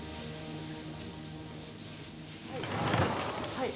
はい。